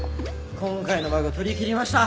・今回のバグとりきりました。